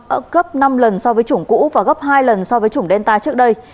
ở gấp năm lần so với chủng cũ và gấp hai lần so với chủng delta trước đây